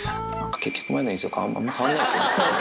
結局、前の映像とあんま変わりないですよね。